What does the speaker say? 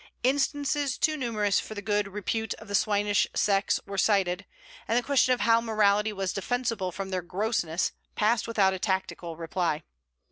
Instances too numerous for the good repute of the swinish sex, were cited, and the question of how Morality was defensible from their grossness passed without a tactical reply.